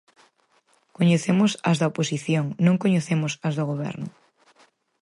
Coñecemos as da oposición, non coñecemos as do Goberno.